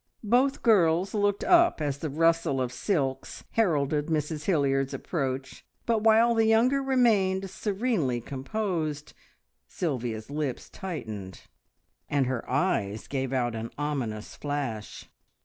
Both girls looked up as the rustle of silks heralded Mrs Hilliard's approach, but while the younger remained serenely composed, Sylvia's lips tightened, and her eyes gave out an ominous flash.